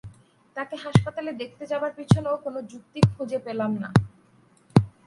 তাকে হাসপাতালে দেখতে যাবার পিছনেও কোনো যুক্তি খুঁজে পেলাম না।